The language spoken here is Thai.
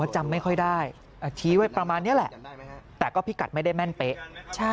ใช่ชี้ไว้ประมาณนี้แหละแต่ก็พิกัดไม่ได้แม่นเป๊ะ